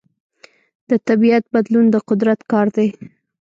د طبیعت بدلون د قدرت کار دی.